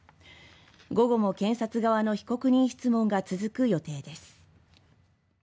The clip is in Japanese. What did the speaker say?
午後も検察側の被告人質問が続く予定です。